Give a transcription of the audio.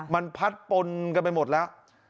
มันพัดปนกันไปหมดแล้ว